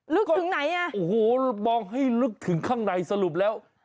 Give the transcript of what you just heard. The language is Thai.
ถึงไหนอ่ะโอ้โหมองให้ลึกถึงข้างในสรุปแล้ว